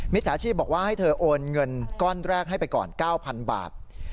ฉาชีพบอกว่าให้เธอโอนเงินก้อนแรกให้ไปก่อน๙๐๐บาท